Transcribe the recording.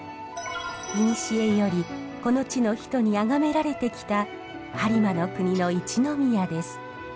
いにしえよりこの地の人にあがめられてきた播磨国の一宮です。